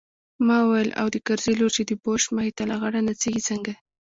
ما وويل او د کرزي لور چې د بوش مخې ته لغړه نڅېږي څنګه.